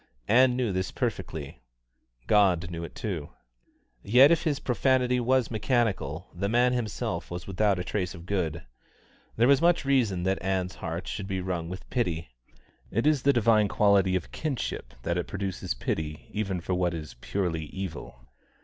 Ann knew this perfectly. God knew it too. Yet if his profanity was mechanical, the man himself was without trace of good. There was much reason that Ann's heart should be wrung with pity. It is the divine quality of kinship that it produces pity even for what is purely evil.